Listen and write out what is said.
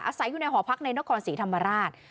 อาศัยอยู่ในหอพักในนครศรีธรรมราช